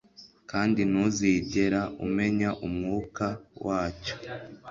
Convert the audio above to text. Kandi ntuzigera umenya umwuka wacyo